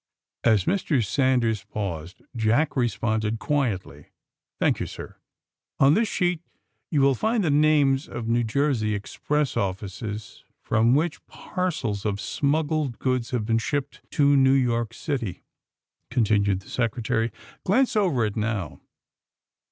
As Mr. Sanders paused Jack responded, quietly: *^ Thank you, sir. ''On this sheet you will find the names of New Jersey express, offices from which parcels of AND THE SMUGGLEES' 15 smuggled goods have been shipped to New York City/' continued the Secretary. ^^ Glance over it, now."